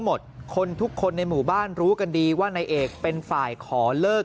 หมดคนทุกคนในหมู่บ้านรู้กันดีว่านายเอกเป็นฝ่ายขอเลิก